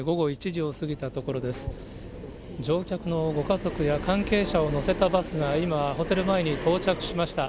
乗客のご家族や関係者を乗せたバスが今、ホテル前に到着しました。